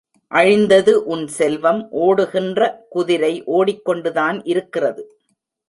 அழிந்தது உன் செல்வம் ஒடுகின்ற குதிரை ஓடிக்கொண்டுதான் இருக்கிறது.